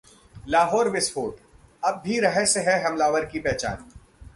लाहौर विस्फोट: अब भी रहस्य है हमलावर की पहचान